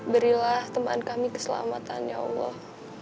berilah teman kami keselamatan ya allah